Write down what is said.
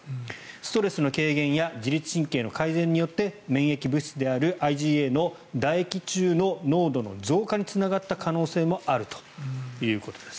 ストレスの軽減や自律神経の改善によって免疫物質であるＩｇＡのだ液中の濃度の増加につながった可能性もあるということです。